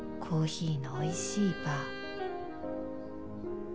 コーヒーのおいしいバー